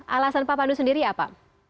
alasan pak pandu sendiri apa